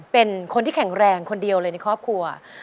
เป็นคนที่แข็งแรงคนเดียวเลยในครอบครัว